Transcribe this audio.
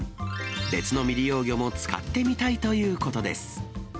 別の未利用魚も使ってみたいということです。